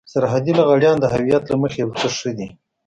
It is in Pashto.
سرحدي لغړيان د هويت له مخې يو څه ښه دي.